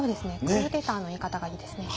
クーデターの言い方がいいですね。